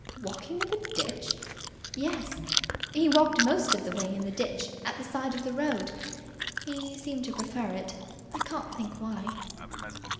"Walking in the ditch!" "Yes. He walked most of the way in the ditch at the side of the road. He seemed to prefer it. I can't think why."